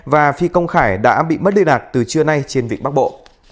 và phi công khải đã bị mất liên lạc từ trưa nay trên vịnh bắc bộ